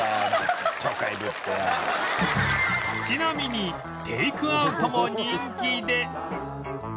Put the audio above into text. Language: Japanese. ちなみにテイクアウトも人気で